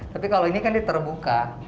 tapi kalau ini kan diterbuka